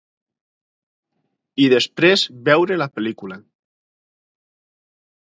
I després veure la pel·lícula.